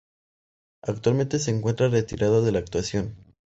Actualmente se encuentra retirada de la actuación.